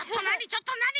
ちょっとなに！？